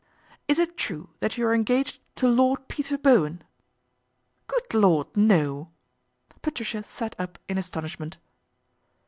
" Is it true that you are engaged to Lord Peter Bowen ?"" Good Lord, no." Patricia sat up in astonish ment.